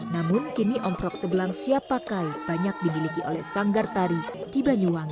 namun kini omprok sebelang siap pakai banyak dimiliki oleh sanggar tari di banyuwangi